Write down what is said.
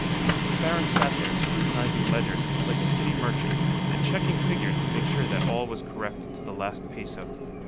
The Baron sat there scrutinizing ledgers, like a city merchant, and checking figures to make sure that all was correct to the last peso.